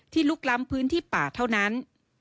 ลุกล้ำพื้นที่ป่าเท่านั้น